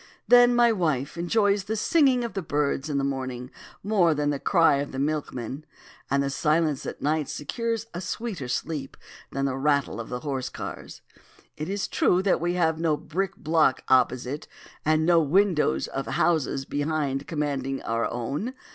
Then my wife enjoys the singing of birds in the morning more than the cry of the milkman, and the silence at night secures a sweeter sleep than the rattle of the horse cars. It is true that we have no brick block opposite, and no windows of houses behind commanding our own.